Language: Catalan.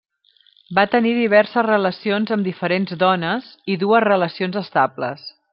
Va tenir diverses relacions amb diferents dones i dues relacions estables.